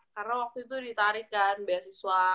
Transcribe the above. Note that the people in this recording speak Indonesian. karena waktu itu ditarik kan beasiswa